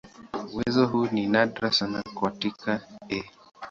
Uwezo huu ni nadra sana katika "E.